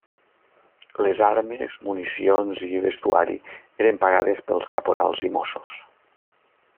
Les armes, municions i vestuari eren pagades pels caporals i mossos.